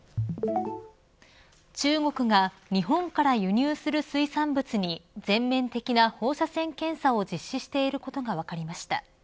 中国が日本から輸入する水産物に全面的な放射線検査を実施していることが分かりました。